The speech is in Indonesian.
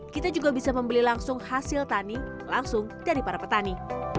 kita juga bisa membeli langsung hasil tani langsung dari para petani